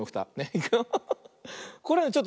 いくよ。